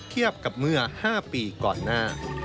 เทียบกับเมื่อ๕ปีก่อนหน้า